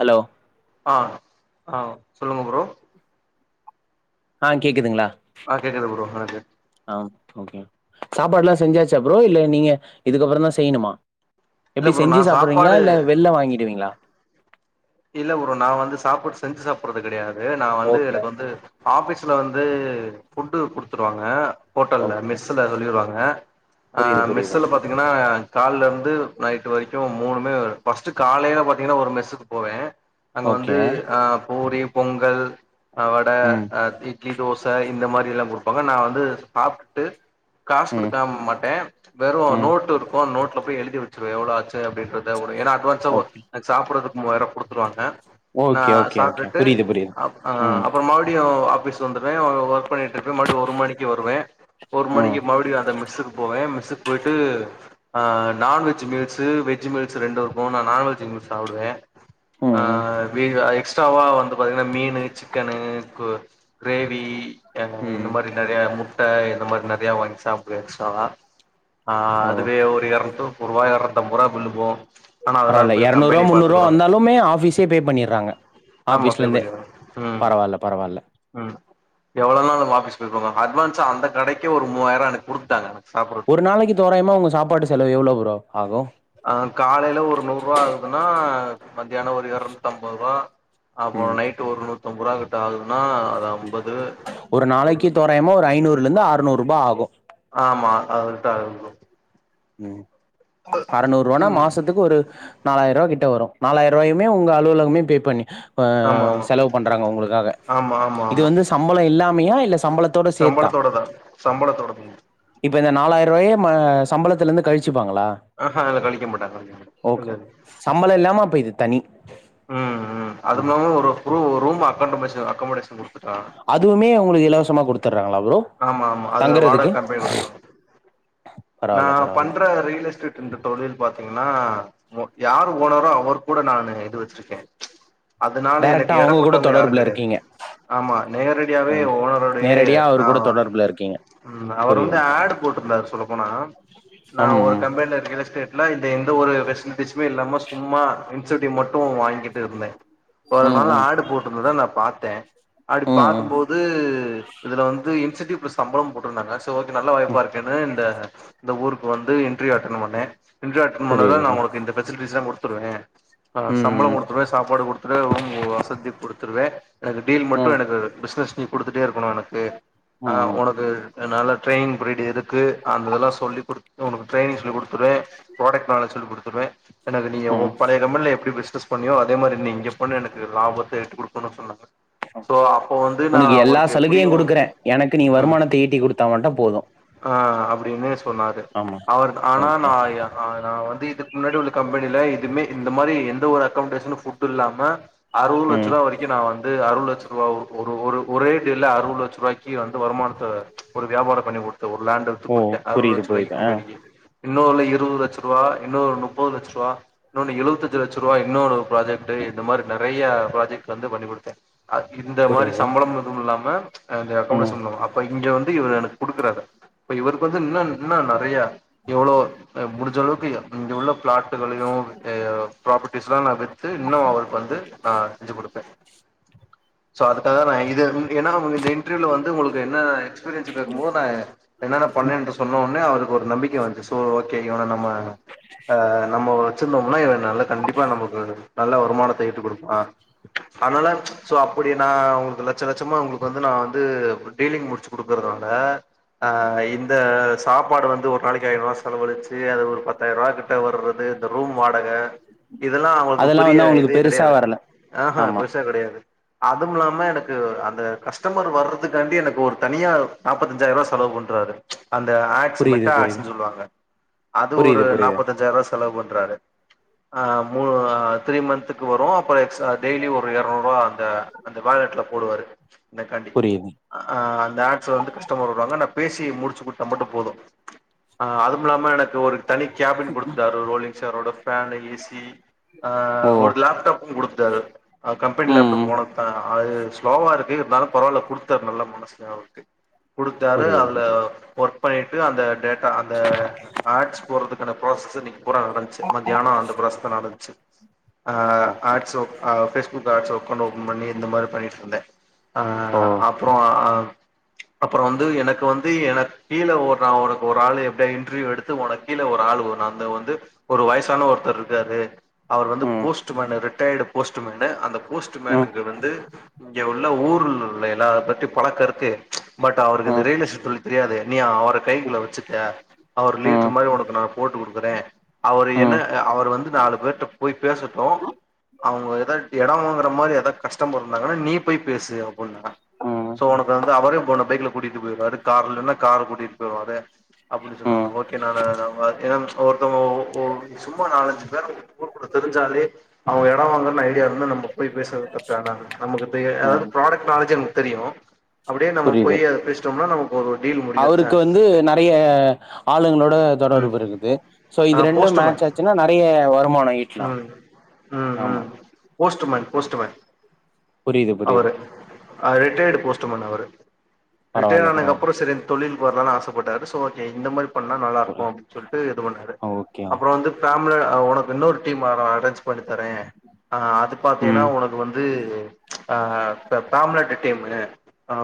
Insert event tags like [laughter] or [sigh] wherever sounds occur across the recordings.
Hello ஆஹ் ஆஹ் சொல்லுங்க ப்ரோ ஆஹ் கேக்குதுங்களா ஆஹ் கேக்குது ப்ரோ எனக்கு ஆ ஓகே சாப்பாடுலாம் செஞ்சாச்சா ப்ரோ இல்ல நீங்க இதுக்கப்புறம் தான் செய்யணுமா இல்ல எப்டி ப்ரோ செஞ்சு நா சாப்டுவீங்களா சாப்பாடு இல்ல வெள்ள வாங்கிடுவீங்களா இல்ல ப்ரோ நான் வந்து சாப்பாடு செஞ்சு சாப்பிடுறது கிடையாது நான் வந்து ஓகே எனக்கு வந்து ஆபிஸ் ஃபுட்ல வந்து புட்டு குடுத்துருவாங்க ஹோட்டல்ல ஓகே மெஸ்ல சொல்லிடுவாங்க அ புரியுது ஆஹ் புரியுது மெஸுல பாத்தீங்கன்னா காலருந்து நைட் வரைக்கும் மூணுமே ஃபர்ஸ்ட் காலைல பாத்தீங்கன்னா ஒரு மெஸ் போவேன் அங்க ஓகே வந்து அஹ் பூரி பொங்கல் அஹ் வட ம் அஹ் திட்லி தோசை இந்த மாரிலாம் குடுப் போக நா வந்து சாப்ட்டு காசு ம் குடுக்கா மாட்டேன் வெறும் ம் நோட்டு இருக்கு அந்த நோட்டுல போயி எழுதி வச்சிருவேன் எவ்ளோ ஆச்சு அப்டின்றத ஒரே ஏன்னா அட்வான்ஸா ஓ ஓகே சாப்புர்றது மூவாயிரம் குடுத்துருவாங்க நா ஓகே ஓகே ஓகே சாப்டுட்டு புரியுது புரியுது ஆ ம் அப்றம் மறுடியும் அப் [unintelligible] வருவேன் ஒர்க் பண்ணிட்டு இருப்பேன் மறுடி ஒரு மணிக்கு வருவேன் ஒரு ம் மணிக்கு மறுடி அந்த மிஸ்க்கு போவேன் மிஸுக் போயிட்டு ஆ நான்வெஜ் மீல்ஸு வெஜ் மீல்ஸு ரெண்டு இருக்கும் நான் நான்வெஜ் மீல்ஸ் சாப்டுவேன் ம் ம் ஆஹ் மீனு எக்ஸ்ட்ராவா வந்து பாத்தீங்கன்னா மீனு சிக்கனு கிரேவி முட்ட இந்த ம் மாரி நறைய முட்ட இந்த மாரி நற ஹெல்தியா வாங்கி சாப்டுவேன் சுவாகா ஆஹ் ஓ அதுவே ஒரு இரனுத்து ஒருவா இரனுத்து அம்ப ரூவா பில்லு போ பரவால்ல இரநூறுவா முன்னூறுவா வந்தாலும் ஆமா ஆஃபீஸ்ல பே இருந்தே பண்ணிருவாங்க உம் பரவால்ல பரவால்ல உம் எவ்ளோ நாள் நம்ம ஆபீஸ் பே பண்ணுவாங்க அட்வான்ஸா அந்த கடைக்கு ஒரு மூவாயிரம் எனக்கு குடுத்துட்டாங்க எனக்கு சாப்புட்றதுக்கு ஒரு நாளைக்கு தோராயமா உங்க சாப்பாடு செலவு எவ்ளோ ப்ரோ ஆகும் அஹ் காலையில ஒரு நூறு ரூவா ஆகுதுன்னா மத்தியானம் ஒரு இரநூத்து ஐம்ப ரூவா ஆமா, ம் நைட்டு ஒன்னு [unintelligible] ஒரு நாளைக்கு தோராயமா ஒரு ஐநூறுல இருந்து ஆர்நூறு ரூபா ஆகு அதுக்கு தா ப்ரோ ம் அறுநூறு ரூவனா மாசத்துக்கு ஒரு நாலாயிர ரூபா கிட்ட வரு நாலாயிர ரூபாயுமே உங்க அலுவலகமே பே பண்ணி, இப்ப ஆமா ஆமா செலவு பண்றாங்க உங்களுக்காக. ஆமா ஆமா இது ஆமா வந்து சம்பளம் இல்லாமையா, இல்ல சம்பளத்தோட சேர்த்தா. சம்பளத்தோடதா சம்பளத்தோடது இப்ப, இந்த நாலாயருவாய மாச சம்பளத்திலிருந்து கழி, வெச்சிப்பாங்களா ஆஹா அதுல கழிக்க மாட்டாங்க கழிக்க மாட்டாங்க ஓகே சம்பளோ இல்லாமா அப்ப இது தனி. ஹம்ம் ம் அதுமில்லாம ஒரு ஒரு ரூம் அ அதுவுமே உங்களுக்கு இலவசமா கொடுத்துடுறாங்களா ப்ரோ. ஆமா ஆமா அது வாடக தங்குறதுக்கு கம்பெனி கொடுத்துருவாங்க நா பரவால்ல பரவால்ல பண்ற ரியல் எஸ்டேட் என்ற தொழில் பாத்தீங்கன்னா யாரு ஒ போனதா அவர் கூட நானு இது வச்சிருக்கே அதனால எனக்கு டைரக்டா இட அவங்க கூட பட்டவங்க யாரு தொடர்புல கிடையாது. இருக்கீங்க ஆமா நேரடியாவே ம் ஓனரோடயே நேரடியா அவரு ஆ கூட தொடர்புல இருக்கீங்க ம் அவர் வந்து புரியுது புரியுது ஆடு போட்டுருந்தாரு சொல்ல போனா நா ம் ஒரு கம்பெனில ரியல் எஸ்டேட்ல இந்த இன் ஒரு ஃபெஸ்லிட்டிஸ்மே இல்லாம சும்மா இன்செண்ட்வ் மட்டு வாங்கிட்டு இருந்தே ஒரு ம் ம் நாள் ஆடு போட்டுருந்தத நா பாத்தே அப்டி ம் ம் ம் பாக்கும்போது இதுல வந் இன்செண்டிவ் பிளஸ் சம்பளமும் போட்டுருந்தாங்க செரி ஓகே நல்ல வாய்ப்பா ம் இருக்கேன்னு இந்த இந்த ஊருக்கு வந்து இன்டர்வியூ அட்டென்ட் பண்ணே [unintelligible] புரியுது நா புரியுது. உங்களுக்கு இந்த பெசிலிடிஸ்லா குடுத்துருக் த்துருவே ஆஹ் சம்பள ம் கொடுத்துருவே சாப்பாடு கொடுத்துருவே உ வசதி கொடுத்துருவே எனது டீல் மட்டு ம் ம் எனக்கு பிசினஸ் நீ குடுத்துட்டே இரு ஒண்ணு எனக்கு ஆஹ் ம் ஒனக்கு நல்ல ட்ரைனிங் பீரியடு் இருக்கு அந்தெல்ல சொல்லி கொடு உனக்கு ட்ரைனிங் சொல்லி கொடுத்துருவே ப்ராடக்ட் நாலேஜ் சொல்லி கொடுத்துவே எனக்கு நீங்க ஓ ம் பழையல கம்பெனில எப்படி பேஷ் அஸ்பண்ணியு அதே மாரி நீ இங்கே பண்ணு எனக்கு லாபத்தை எட்டி கொடுக்கணும்னு சொன்னாங்க சோ அப்ப வந்து நா உனக்கு எல்லா அவருக்கு சலுகையு எப்படியும் குடுக்குறே எனக்கு நீ ம் வருமானத்த ஈட்டி குடுத்தா மட்டு போது ஆ அப்டின்னே சொன்னாரு ஆமா அவர் ஆனா ஓகே நா நா வந்து இதுக்கு முன்னாடி உள்ள கம்பெனில இதுவுமே இந் இந்த மாரி எந்த ஒரு அகெகாமடேஷனு ஃபுட்டு இல்லாம அறுவது ம் லட்சருவா வரைக்கு நா வந் து அறுவ லட்சருவா ஒரு ஒரு ஒரே டீல்ல அறுவது லட்சருவாய் கி வந்து வருமானத்த ஒரு வியாபார பண்ணி குடுத் து ஒரு லாண்ட வித்து ஓ குடுத்த அருவது புரியுது லட்சருவாய்க்கி புரியுது ஆ கம்ப்பனிக்கி இன்னொருல இருவது லட்சருவா இன்னொரு நுப்பது லட்சருவா இன்னொன்னு எழுவத்தஞ்சி லட்சருவா இன்னொரு ப்ராஜெக்ட்டு இந்த மாரி நறைய ப்ராஜெக்ட் வந்து பண்ணி குடுத்தே அத்க்கிந்த மாரி புரியுது சம்பளம் எதுவும் இல்லா ம அத ம் அக்காமடேஷன்ல வா அப்ப இங்க வந்து இவர் எனக் குடுக்குறாரு இப்ப இவருக்கு வந்து இன்னு இன்னு நறைய எவ்ளோ அ முடிஞ்சளவுக்கு எ இங்க உள்ள ப்ளாட் [unintelligible] ப்ராப்பர்டிஸ்ல்லா நா வித்து இன்னு அவருக்கு வந்து நா செஞ்சு குடுப்பே சோ அதுக்காக தா நா இத இங் ஏன்னா அவங்க இந்த இ [unintelligible] வந்து உங்களுக்கு என்ன எக்ஸ்பீரியன்ஸ் [unintelligible] என்னன்ன பண்ணேன்டு சொன்ன உட்னே அவரு ஒரு நம்பிக்க வந்து சோ ஓகே இவன நம்ம ஆ நம்ம வச் சிர்ந்தோம்னா இவெ நல்ல கண்டிப்பா நமக்கு நல்ல வருமானத்த ஈட்டு குடுப்பா அத்னால சோ அப்படினா உங்களுக் [unintelligible] லட்ச லட்சமா அவ்ங்களுக்கு வந்து நா து அப்ப டீலிங் முடி ச்சு குடுக்கறதுனால ஆ இந்த சாப்பாடு வந்து ஒரு நாளக்கி ஆய்ருவா செலவளிச் து அது ஒரு பத்தாயிர்ருவா கிட்ட வர்றது இந்த ரூம் வாடக இதெல்லா அவங்களுக்கு [unintelligible] அதெல்லா பெரிய வந்து அவங்களுக்கு இதே பெருசா கெடையாது வரல ஆஹ் ஹே ஆமா பெருசே கெடையாது அதும் இல்லாம எனக்கு அந்த கஸ்ட்டமர் வரு த்துக்காண்டி எனக்கு ஒரு தனியா நாப்பத்தஞ்சாயிருவா செலவு பண்றாரு அந்த ஆட்ஸ் புரியுது மெட்டா புரியுது ஆட்ஸுன் சொல்லுவாங்க அது ஒரு புரியுது புரியுது நாப்பத்தஞ்சாய்ருவாஸ் செலவ் பண்றாரு ஆ மூ ஆ த்ரீ மன்த்தக்கு வரு அப்பறொ கப்ஸ்ட்ரா டெய்லி ஒரு எரநூறுவா அந்த அந்த வாலெட்ல ஓடுவாரு இந்தக்காண்டி புரியுது ஆ அந்த ஆட்ஸ்ல வந்து கஸ்டமர் வருவாங்க பேசி முடிச்சுக்குடுத்தா மட்டும் போதும் அதுவும் இல்லாம டக் ஒரு தனி கேபின் கொடுத்துட்டாரு ரோலிங் சேரோட ஃபேன் ஏ சி ஓ ஆஹ் ஒரு லேப்டாப்பும் கொடுத்தாரு கம்பெனி ம் லேப்டாப் ம் [unintelligible] அது ஸ்லோவா இருக்கு இருந்தாலும் பரவால்ல குடு த்த நல்ல மனசுங்க அவருக்கு கொடுத்தாரு புரியுது அதுல புரியுது பொ பண்ணிட்டு அந்த டெட் அந்த ஆச் போறதுக்கான ப்ரோஸ்ஸ்ஸஸ் இன்னைக்கு பூரா நடந்துச்சு மத்தியானொ அந்த ப்ரொசெஸ் தா நடந்ச்சு அஹ் ஓ of [unintelligible] true calls account open பண்ணி இந்த மாரி பண்ணிட்டு இருந்த ஓ அப்புறம் அஹ் அப்புறம் வந்து எனக்கு வந்து எனக்கு கீழ ஒரு நா உனக்கு ஒரு ஆளு எப்படியா இன்டர்வியூ எடுத்து உனக்கு கீழ ஒரு ஆள் வ அந்த வந்து ஒரு வயசான ஒருத்தர் இருக்காரு அவரு வந்து ம் போஸ்ட்மேன் ரிட்டையர்டு போஸ்ட்மேன் அந்த ம் போஸ்ட்மேனுக்கு வந்து இங்க உள்ள ஊர்ல உள்ளய அத பத்தி பழக்கம் இருக்கு பட் ம் அவருக்கு இந்த ம் ரியல்எஸ்ட் தொழில் தெரியாது நீ அவர் கைக்குல வச்சுக்க அவர் ம் லீட்ர் மாரி உனக்கு நா போட்டு கொடுக்குறே அவரு என்ன ம் அவரு வந்து நாலு பேர்கிட்ட போய் பேசட்டு அவங்க ஏதாவது இடம் வாங்குற மாரி ஏதாவது கஷ்டமர் இருந்தாங்கன்னா நீ போய் பேசு அப்டின்னாங்க சோ உனக்கு வந்து அவரையும் போன பைக்ல கூட்டிட்டு போய்ருவாரு கார்லனா கார் கூட்டிட்டு போய்டுவாரு அப்பின்னு சொன்னாங்க ம் ஓகே நானு நா [unintelligible] ஒருத்தவங்க ஒ சும்மா நாலஞ்சு பேர் கூப்டு தெரிஞ்சாலே அவங்க எடோ வாங்கன்னு ஐடியா இருந்தா நம்ம போய் பேசுறது தற்ற ஆனா நமக்கு தெ அதாவது ம் ப்ராடக்ட் நாலேஜுன் தெரியு அப்டியே நம்ம புரியுது போய் அத பேசிட்டோம்னா நமக் அவருக்கு வந்து நெறைய ஆளுங்களோட ம் தொடர்பு இருக்குது சோ ஆ இது ரெண்டு போஸ்ட்மேன் மேட்ச் ஆச்சுன்னா நெறைய வருமானம் ஈட்டலா ம் ம் ஆமா ம் போஸ்ட்மேன் போஸ்ட்மேன் புரியுது புரியுது ரிட்டயர் போஸ்ட்மேன் அவரு ரிட்டையர் பரவால்ல ஆனது பரவால்ல அப்பறோ சரி தொழில் வரலானு ஆசப்பட்டாரு சோ ஓகே இந்த மாரி பண்ணா ஒரு நல்லாருக்கு அப்டின் சொல்லிட்டு இது பண்ணாரு ஓகே அப்றோ வந்து பேமிலி ஒனக்கு இன்னொரு டீமு அ அரேஞ் பண்ணி தரே ஆனா அது பாத்தீங்கன்னா ம் உனக்கு வந்து ஆஹ் ச [unintelligible] டீமு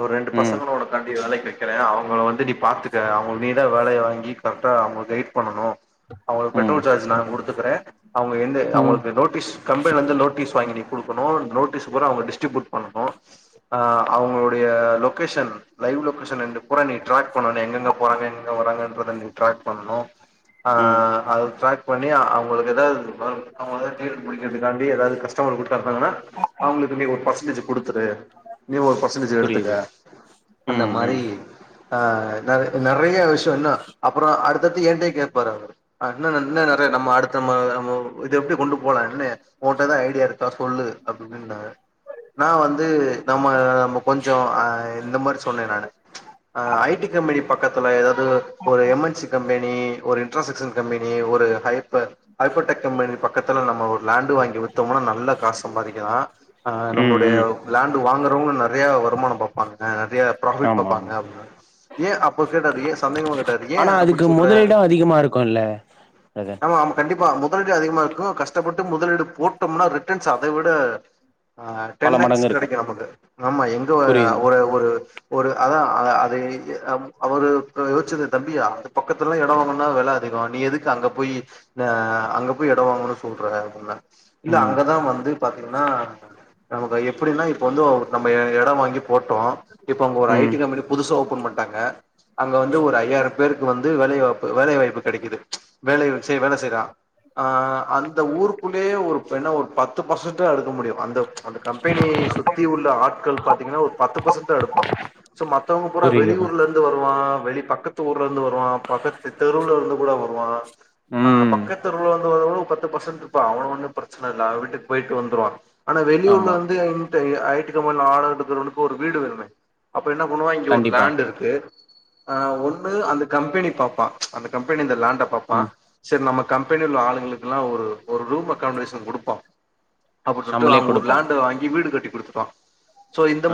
ஒரு ரெண்டு ம் பசங்களோட கண்டி வேலைக்கி வைக்கிறே அவங்க வந் சேர் நீ பாத்துக்க அவுங்க நீ தா வேலய வாங்கி க தா அவுங்க கைட் பண்ணனு அவங்களுக்கு ம் பெட்ரோல் சார்ஜ் நா குடுத்துக்குற அவங்க எந்த ம் அவங்களுக்கு நோட்டீஸ் கம்பெனிலந்து நோட்டீஸ் வாங்கி நீ குடுக்கணு நோட்டீஸ் பூரா அவுங்க டி்ஸ்டிபூட் பண்ணு ஆ அவுங்களுடைய லொக்கேஷன் லைவ் லொகேஷன் [unintelligible] பூரா நீ டிராக் பண்ணு எங்கெங்க போறாங்க எங்கெங்க வராங்கன்றத நீ டிராக் பண்ணு ஆ ம் அது ட்ராக் பண்ணி அவுங்களுக்கு ஏதாது [unintelligible] புடிக்கறதுகாண்டி ஏதாது கஸ்டமர் [unintelligible] அவுங்களுக்கு நீ ஒரு பர்சன்டேஜ் குடுத் துரு நீ ஒரு பர்சன்டேஜ் எடுத்துக்க புரியுது அந்த ம் மாரி ம் ஆ நெற நெறைய விஷியோ என்னா அப்புறோ அடுத்தடுத்து ஏன்டயே கேப்பாரு அவரு [unintelligible] இன்னு நெறைய நம்ம அடுத்த ம இது எப்டி கொண்டு போலா என்ன உன்ட்ட எதா ஐடியா இருக்கா சோ கொள்ளு அப்டினா என்ன நா வந்து இது நம்ம நம்ம கொஞ்சோ ஆ இந்த மாரி சொன்னே நானு ஆ ஐடி கம்பெனி பக்கத்தில ஏதாவது ஒரு M N C company ஒரு இன்ட்ராசெக்ஷன் கம்பெனி ஒரு ஹைப் ஐபோடெக் கம்பெனி பக்கத்துல நம்ம ஒரு லேண்டு வாங்கி வித்தோம்னா நல்ல காச சம்பதிக்கலா ஆ ம் நம்ளுடைய ம் வாங்கறவங்க நெறைய வருமானம் பாபாங்க பராபிட் ஆமா பாபாங்க ஆமா அப்டினா ஏ அப்ப கேட்டார் ஏ சந்தேகமா கேட்டார் ஏ ஆனா அப்டி அதுக்கு சொல்ற முதலீடு அதிகமா இருக்குல்ல பிரதர் ஆமா ஆமா கண்டிப்பா மு முதலீடு அதிகமா இருக்கு கஷ்டப்பட்டு முதலீடு போட்டோம்னா ரிட்டன்ஸ் அத விட ஆஹ் பல டென் லாக்ஸ் மடங்கு இருக்கு கெடைக்கு நமக்கு நம்ம எங்க புரியுது ஒரு ஒரு ஒரு அதா அது ஆ அவரு யோச்சது தம்பியா அந்த பக்கத்துல்லா எடோ வாங்கணுணா வெல அதிகோ நீ எதுக்கு அங்க போய் ஆ அங்க போய் எடோ வாங்கணு சொல்ற அப்டினா இல்ல ம் அங்கதான் வந்து பாத்தீங்கன்னா நம் அப்டில்லா வந்து ஓ நம்ம எ எடோ வாங்கி போட்டோ இப்ப அங்க ஒரு ம் ஐடி கம்பனி புதுசா ஓபன் பண்டாங்க அங்க வந்து ஒரு ஐயாயிரம் பேருக்கு வந்து வேலிவாப்பு வேலைவாய்ப்பு கெடைக்குது ப்ச் வேலய வெச்சே வேல செய்யறான் ஆ அந்த ஊருக்குள்ளேயே ஒரு என்ன ஒரு பத் பத்து பர்சன்ட் தா எடுக்க முடியு அந்த அந்த பெனி சுத்தி உள்ள ஆட்கள் பாத்தீங்கன்னா ஒரு பத்து பர்சன்ட் தா எடுப்பா சோ மத்தவங்க பூரா புரியுது ப்ரோ வெளியூர்ல இருந்து வருவா வெளி ப பக்கத்து ஊர் ல இருந்து வருவா பக்கத்து தெருவுல இருந்து கூட வருவா ஆ ம் பக்கத் தெருவுல இருந்து வரவ் பத்து பர்சன்ட் இருப்பா அவெ வந்து பிரச்சன இல்ல அவெ வீட்டுக்கு போயிட்டு வந்துருவா ஆனா வெளியூர்ல ஆமா [unintelligible] ஐ டி கம்பனில ஆடர் எடுக்குறவனுக்கு ஒரு வீடு வேணுமே அப் ப என்ன பண்ணுவா இங்க ஒரு கண்டிப்பா லேண்ட் இருக்கு ஆ ஒன்னு அந்த கம்பெனி பாப்பா அந்த கம்பெனி இந்த லேண்ட் ட பாப்பா ம் செரி நமக் கம்பெனி உள்ள ஆளுங்களுக்கெல்லா ஒரு ஒரு ரூம் அகாமடேஷன் குடுப்பா அப்டி சொல்ட்டு நம்மளே அங்க ஒரு குடுப்போ லேண்ட வாங்கி வீடு கட்டி குடுத்துருவா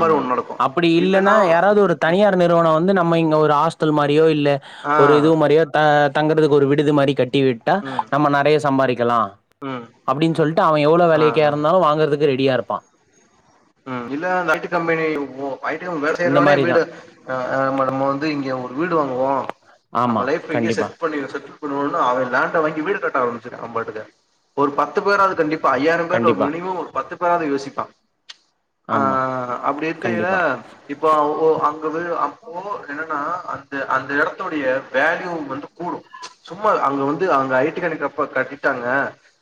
ஆமா அப்பிடி இல்லனா யாராவது ஒரு தனியார் நிறுவனோ வந்து நம்ம இங்க ஒரு ஹாஸ்டல் மாரியோ இல்ல ஆ ஒரு இது மாரியோ தா தங்கறதுக்கு ஒரு விடுதி மாரி கட் டி விட்டா ம் நம்ம நெறையா சம்பாரிக்கலா ம் அப்டின் சொல்ட்டு அவ எவ்ளோ ஆ வெலைக்கா ஆ இருந்தாலு வாங்கறதுக்கு ரெடியா இருப்பா ம் இல்ல அந்த ஐ டி கம்பெனி ஓ ஐ டி கம்பெனி வேல இந்த செய்யறவனே மாரிதா வீடு ஆ அ நம்ம வந்து இங்க ஒ வீடு வாங்குவோ ஆமா நம்ம லைஃப் இங்கயே கண்டிப்பா செட் பண்ணிற செட்டில் பண்ணுவோன்னு அவ லேண்ட வாங்கி வீடு கட்ட ஆரம்பிச்சிர்றா அவம் பாட்டுக்கு ஒரு பத்து பேராது கண்டிப் பா ஐயாயிரம் பேர்ல ஒரு கண்டிப்பா மினிமம் ஒரு பத்து பேராது யோசிப்பா ஆ ஆமா அப்டி இத்தைல கண்டிப்பா இப்போ அ ஓ அங்கு வி அப்போ என்னன்னா அந்த அந்த எடத்துடைய வேல்யூ வந்து கூடு சும்மா அங்க வந்து அங்க ஐ டி [unintelligible] கட்டிட்டாங்க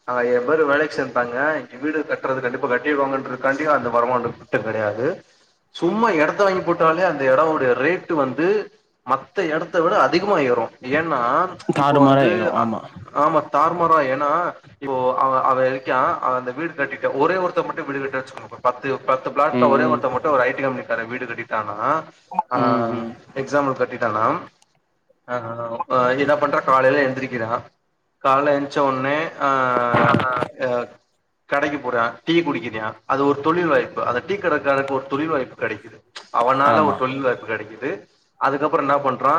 நெறையா பேரு வேலைக்கு சேந்துட்டாங்க இங்க வீடு கட்டுறது கண்டிப்பா கட்டிடுவாங்கன்றது கண்டிப்பா அந்த வருமானத்துக்கு திட்டோ கெடையாது சும்மா இடத்த வாங்கி போட்டாலே அந்த எடவோட ரேட்டு வந்து மத்த எடத்த விட அதிகமா ஏறு ஏன்னா இப்ப தாறுமாறா வந்து ஏறு அ ஆமா ஆமா தாறுமாறா ஏன்னா இப்ப அவ அவ இருக்கா அவ அந்த வீடு கட்டிட்டா ஒரே ஒருத்த மட்டு வீடு கட்டிட்டா வெச் அப்ப பாத் து பத்து பிளாட்ல ம் ஒரே ம் ஒருத்த மட்டு ஒரு ஐ டி கம்பெனி கார வீடு கட்டிட்டான் னா ஆ ம் ம் எக்ஸாம்பிள் கட் டிட்டானா அ என்ன பண்றா காலைல எந்திரிக்கிறா காலல என்ச்ச ஒன்னே ஆ அ கடைக்கு போறா டீ குடிக்குறே அது ஒரு தொழில் வாய்ப்பு அத டீ கட காரருக்கு ஒரு தொழில் வாய்ப்பு கெடைக்குது ச்ச அவனால ஒரு ஆமா தொழில் வாய்ப்பு கெடைக்குது து அதுக்கப்பறோ என்ன பண்றா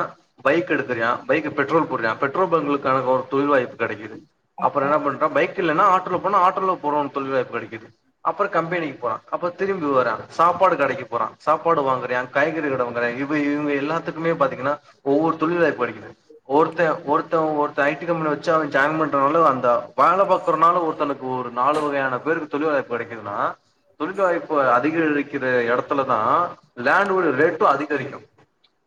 பைக் எடுக்கிறா பைக் பெட்ரோல் போடுறா பெட்ரோல் பங்க்லக்கான ஒரு தொழில் வாய்ப்பு கெடைக்குது அப்பற என்ன பண்றா பைக் கில்லன்னா ஆட்டோல போனா ஆட்டோல போனுன் தொல்ல படிக்கிது அப்றோ கம்பெனிக்கு போறா அப்ப திரும்பி வரா சாப்பாடு கடைக்கு போறா சாப்பாடு வாங்கர்யான் காய்கறி கட வாங்கர்யா இவ இவ எல்லாத்துக்குமே பாத்தீங்கன்னா ஒவ்வொர் தொழிலாய்படிக்குது ஒருத்தே ஒருத்தே ஒருத்தே ஐ டி கம்பெனி வச்சு அவே ஜாயின் பண்டனாலு அந்த வேல பாக்கறனால ஒருத்தனுக்கு ஒரு நாலு வகையான பேருக்கு சொல்லுவார். படிக்கணுமா தொழில் வாய்ப்பு அதிகரி இதே எடத்துல தான் லேண்ட்டோட ரேட்டும் அதிகரிக்கும்.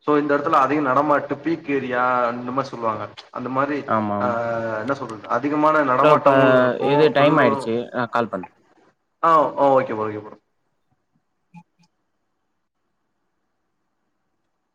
சோ இந்த எடத்துல அதிக நடமாட்டு பீக் ஏரியா அந்த மாறி சொல்லுவாங்க. அந்த மாறி ஆ என்ன சொல்றது அதிகமான இதோ பா நடமாட்டமு இருக்கு இது டைம் தொழிலு ஆயிடுச்சு நான் கால் பண் ஆ ஓகேபா ஓகேபா.